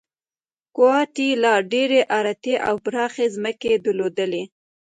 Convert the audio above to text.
ګواتیلا ډېرې ارتې او پراخې ځمکې درلودلې.